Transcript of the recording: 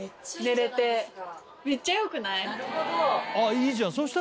いいじゃん。